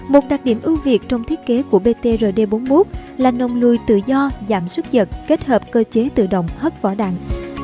một đặc điểm ưu việt trong thiết kế của btrd bốn mươi một là nồng lùi tự do giảm sức giật kết hợp cơ chế tự động hất vỏ đạn